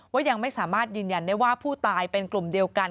ยังไม่สามารถยืนยันได้ว่าผู้ตายเป็นกลุ่มเดียวกัน